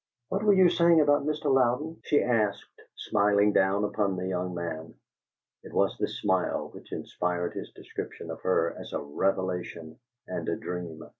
"What were you saying of Mr. Louden?" she asked, smiling down upon the young man. (It was this smile which inspired his description of her as "a revelation and a dream.")